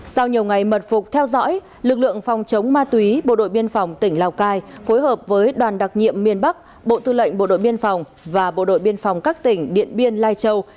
sau nhiều ngày mật phục theo dõi lực lượng phòng chống ma túy bộ đội biên phòng tỉnh lào cai phối hợp với đoàn đặc nhiệm miền bắc bộ tư lệnh bộ đội biên phòng và bộ đội biên phòng các tỉnh điện biên lai châu